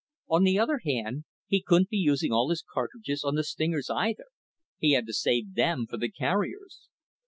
On the other hand, he couldn't be using all his cartridges on the stingers, either, he had to save them for the carriers.